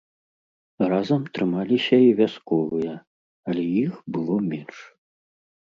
Разам трымаліся і вясковыя, але іх было менш.